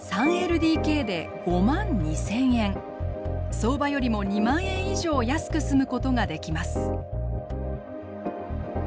相場よりも２万円以上安く住むことができます。